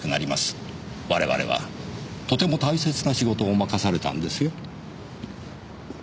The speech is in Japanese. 我々はとても大切な仕事を任されたんですよ。